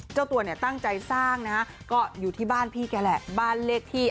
เจ้าตัวเนี่ยตั้งใจสร้างนะฮะก็อยู่ที่บ้านพี่แกแหละบ้านเลขที่